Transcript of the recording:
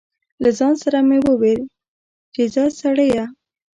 له ځان سره مې و ویل چې ځه سړیه.